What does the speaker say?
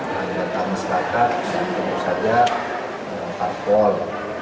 nah di dalam masyarakat tentu saja parpol